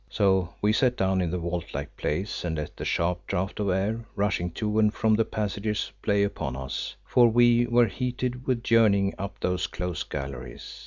So we sat down in the vault like place and let the sharp draught of air rushing to and from the passages play upon us, for we were heated with journeying up those close galleries.